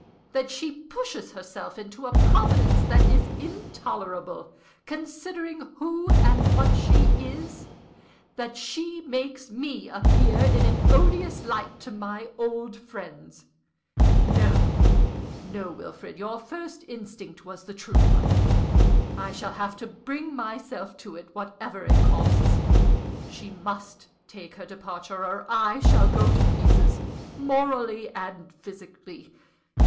_ that she pushes herself into a prominence that is intolerable, considering who and what she is that she makes me appear in an odious light to my old friends. No, no, Wilfrid, your first instinct was the true one. I shall have to bring myself to it, whatever it costs. She must take her departure, or I shall go to pieces, morally and physically.